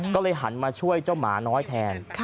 ก็เลยหันมาช่วยเจ้าหมาน้อยแทน